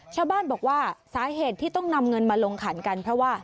ชาวบ้านบอกว่าสาเหตุที่ต้องนำเงินมาลงขันกันเพราะว่า